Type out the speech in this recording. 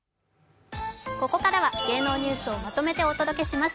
ここからは芸能ニュースをまとめてお届けします。